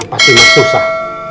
pasti gak susah